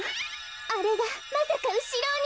あれがまさかうしろに。